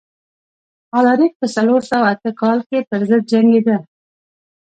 الاریک په څلور سوه اته کال کې پرضد جنګېده.